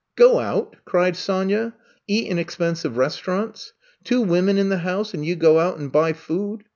'' *'Qo out!" cried Sonya. Eat in ex pensive restaurants! Two women in the house and you go out and buy food